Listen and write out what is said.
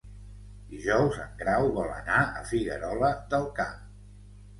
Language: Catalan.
Dijous en Grau vol anar a Figuerola del Camp.